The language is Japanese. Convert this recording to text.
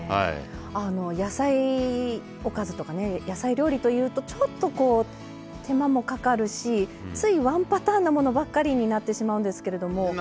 あの野菜おかずとか野菜料理というとちょっとこう手間もかかるしついワンパターンなものばっかりになってしまうんですけれども。